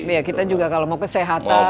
iya kita juga kalau mau kesehatan